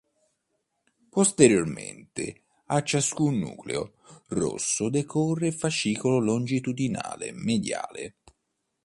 Posteriormente a ciascun nucleo rosso decorre il fascicolo longitudinale mediale.